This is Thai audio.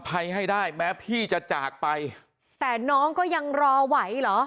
ภัยให้ได้แม้พี่จะจากไปแต่น้องก็ยังรอไหวเหรอ